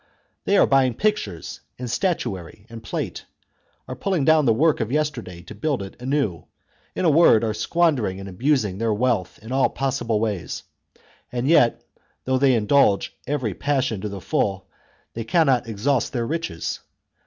They are buying pictures and statuary and plate ; are pulling down the work of yesterday to build it anew ; in a word, are squander ing and abusing their wealth in all possible ways ; and yet, though they indulge every passion to the full, they cannot exhaust their riches.